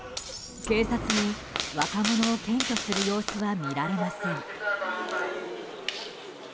警察に若者を検挙する様子は見られません。